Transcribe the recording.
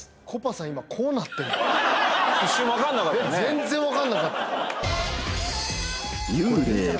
全然わかんなかった。